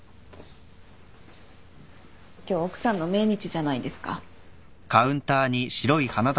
今日奥さんの命日じゃないですか。